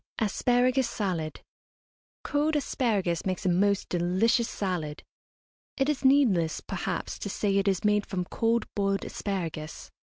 ASPARAGUS SALAD. Cold asparagus makes a most delicious salad. It is needless, perhaps, to say it is made from cold boiled asparagus.